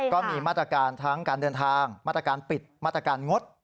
ก็มีมาตรการทั้งการเดินทางมาตรการปิดมาตรการงด